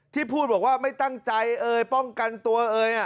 ที่พูดว่าไม่ตั้งใจป้องกันตัว